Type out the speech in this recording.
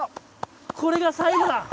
これが最後だ！